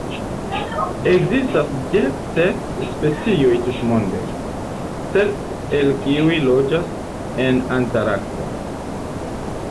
Ekzistas dek sep specioj tutmonde, sep el kiuj loĝas en Antarkto.